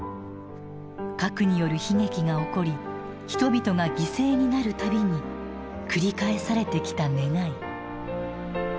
核による悲劇が起こり人々が犠牲になる度に繰り返されてきた願い。